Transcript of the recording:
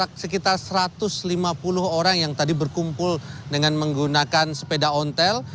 ada sekitar satu ratus lima puluh orang yang berkumpul dengan menggunakan model jadwal